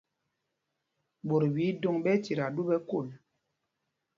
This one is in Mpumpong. Ɓot ɓɛ idôŋ ɓɛ́ ɛ́ tita ɗu ɓɛ kol.